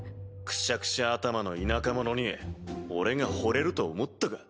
くしゃくしゃ頭の田舎者に俺が惚れると思ったか。